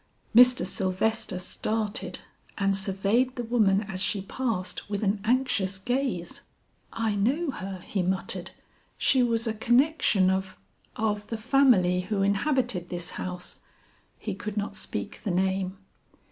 Mr. Sylvester started and surveyed the woman as she passed with an anxious gaze. "I know her," he muttered; "she was a connection of of the family, who inhabited this house." He could not speak the name.